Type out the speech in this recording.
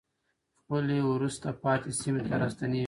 خپلې وروسته پاتې سیمې ته راستنېږي.